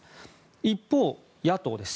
一方、野党です。